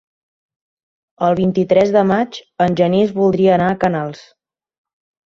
El vint-i-tres de maig en Genís voldria anar a Canals.